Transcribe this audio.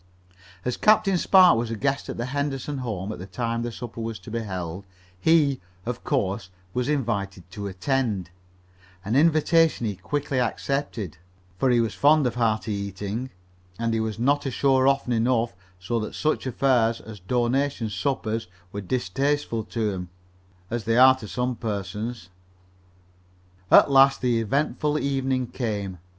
As Captain Spark was a guest at the Henderson home at the time the supper was to be held, he, of course, was invited to attend, an invitation he quickly accepted, for he was fond of hearty eating, and he was not ashore often enough so that such affairs as donation suppers were distasteful to him, as they are to some persons. At last the eventful evening came.